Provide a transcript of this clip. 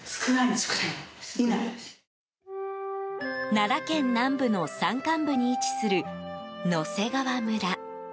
奈良県南部の山間部に位置する野迫川村。